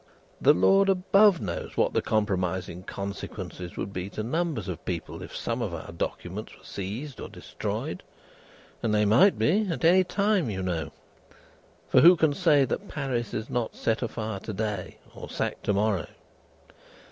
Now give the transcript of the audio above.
The Lord above knows what the compromising consequences would be to numbers of people, if some of our documents were seized or destroyed; and they might be, at any time, you know, for who can say that Paris is not set afire to day, or sacked to morrow!